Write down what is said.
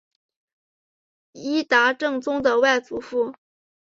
伊达政宗的外祖父。